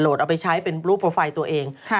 เอาไปใช้เป็นรูปโปรไฟล์ตัวเอง